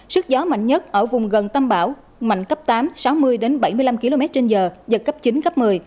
sức giáo mạnh nhất ở vùng gần tâm áp thấp nhiệt đới mạnh cấp tám sáu mươi bảy mươi năm km trên giờ giật cấp chín cấp một mươi